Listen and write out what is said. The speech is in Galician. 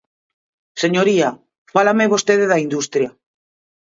Señoría, fálame vostede da industria.